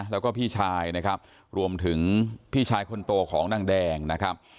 แล้วก็พี่ชายนะครับรวมถึงพี่ชายคนโตของนางแดงนะครับ